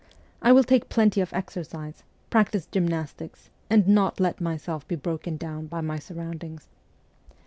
I will take plenty of exercise, practise gymnastics, and not let myself be broken down by my surroundings.